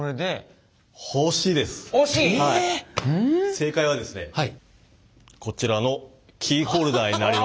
正解はですねこちらのキーホルダーになります。